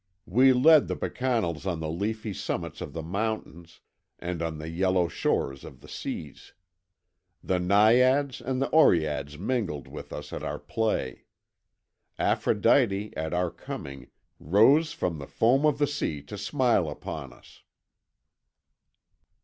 We led the Bacchanals on the leafy summits of the mountains and on the yellow shores of the seas. The Naiads and the Oreads mingled with us at our play. Aphrodite at our coming rose from the foam of the sea to smile upon us."